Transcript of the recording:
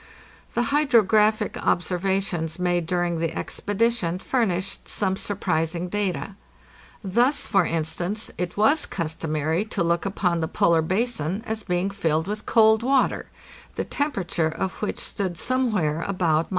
The hydrographic observations made during the expedition furnished some surprising data. Thus, for instance, it was customary to look upon the polar basin ,as being filled with cold water, the temperature of which stood somewhere about —1.